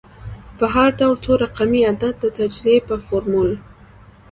په هر ډول څو رقمي عدد د تجزیې په فورمول